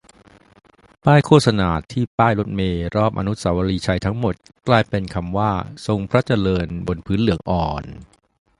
ป้ายโฆษณาที่ป้ายรถเมล์รอบอนุสาวรีย์ชัยทั้ง หมด กลายเป็นคำว่า "ทรงพระเจริญ" บนพื้นเหลืองอ่อน